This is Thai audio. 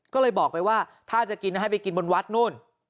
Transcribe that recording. ก็เลยบอกไปว่าถ้าจะกินให้ไปกินบนวัดนู่น